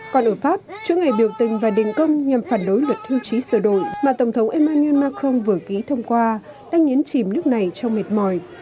còn ở pháp chỗ ngày biểu tình và đình công nhằm phản đối luật hưu trí sửa đổi mà tổng thống emmanuel macron vừa ký thông qua đã nhấn chìm nước này trong mệt mỏi